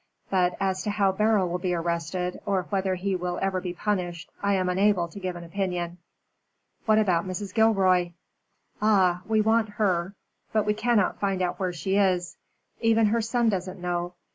But as to how Beryl will be arrested, or whether he will ever be punished, I am unable to give an opinion." "What about Mrs. Gilroy?" "Ah, we want her. But we cannot find out where she is. Even her son doesn't know.